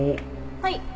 はい。